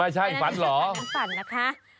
อะไรเป็นแม่ฝันฝันฝันนะคะ